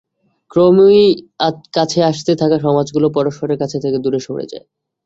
ক্রমই কাছে আসতে থাকা সমাজগুলো পরস্পরের কাছ থেকে দূরে সরে যায়।